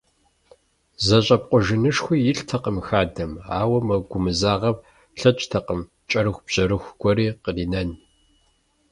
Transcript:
ЗэщӀэпкъуэжынышхуи илътэкъым хадэм, ауэ мо гумызагъэм лъэкӀтэкъым кӀэрыхубжьэрыху гуэри къринэн.